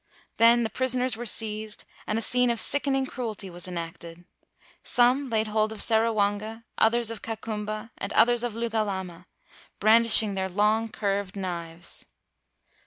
Then the pris oners were seized, and a scene of sickening cruelty was enacted. Some laid hold of Se ruwanga, others of Kakumba, and others of Lugalama, brandishing their long, curved knives.